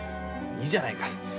いいじゃないか。